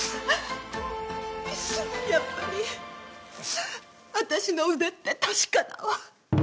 やっぱり私の腕って確かだわ。